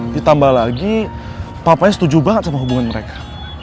ditambah lagi papanya setuju banget sama hubungan mereka